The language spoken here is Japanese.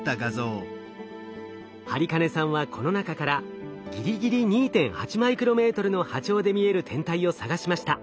播金さんはこの中からぎりぎり２．８マイクロメートルの波長で見える天体を探しました。